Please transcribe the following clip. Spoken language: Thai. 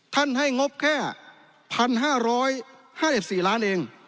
ท่านให้งบแค่๑๕๕๔ล้านเอง